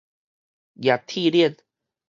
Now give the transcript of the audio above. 夯鐵輪